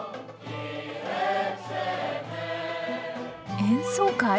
演奏会？